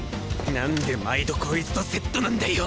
何で毎度こいつとセットなんだよ。